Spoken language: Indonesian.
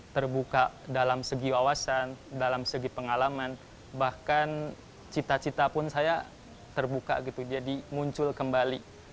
terbuka dalam segi wawasan dalam segi pengalaman bahkan cita cita pun saya terbuka gitu jadi muncul kembali